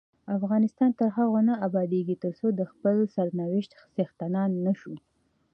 افغانستان تر هغو نه ابادیږي، ترڅو د خپل سرنوشت څښتنان نشو.